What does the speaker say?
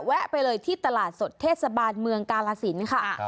ไปเลยที่ตลาดสดเทศบาลเมืองกาลสินค่ะ